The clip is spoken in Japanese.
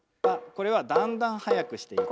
これはだんだん速くしていきます。